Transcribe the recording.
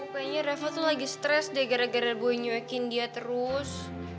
kayaknya reva tuh lagi stres deh gara gara boy nyuekin dia terus